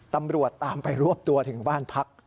ตำรวจตามไปรวบตัวถึงบ้านพัก